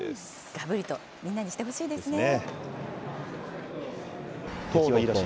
がぶりと、みんなにしてほしいですね。